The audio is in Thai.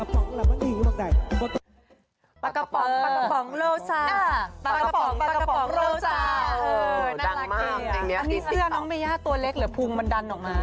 อันนี้เสื้อน้องเมย่าตัวเล็กหรือพุงมันดันออกมา